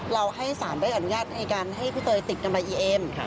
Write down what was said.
ให้สารได้อนุญาตในการให้พี่เตยติดกำไรอีเอ็ม